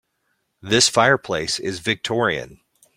This fireplace is Victorian.